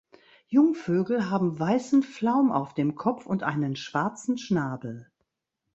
Jungvögel haben weißen Flaum auf dem Kopf und einen schwarzen Schnabel.